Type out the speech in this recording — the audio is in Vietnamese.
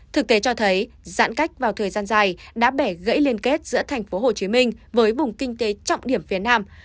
thực tế cho thấy giãn cách vào thời gian dài đã bẻ gãy liên kết giữa tp hcm với vùng kinh tế trọng điểm phía nam